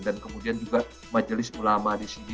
dan kemudian juga majelis ulama di sini